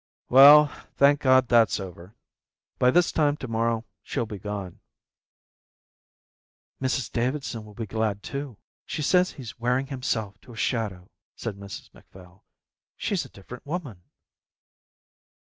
"Well, thank God that's over. By this time to morrow she'll be gone." "Mrs Davidson will be glad too. She says he's wearing himself to a shadow," said Mrs Macphail. "She's a different woman."